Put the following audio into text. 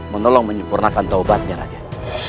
menolong menyempurnakan taubatnya raden